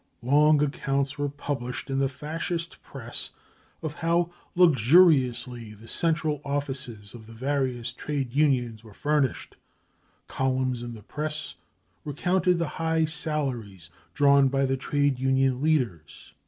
Long accounts were published in the Fascist Press of how luxuriously the central offices of the various trade unions were furnished. Columns in the Press recounted the high salaries drawn by the trade union leaders.